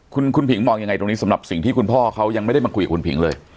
คุณผิงมองยังไงตรงนี้สำหรับสิ่งที่คุณพ่อเขายังไม่ได้มาคุยกับคุณผิงเลย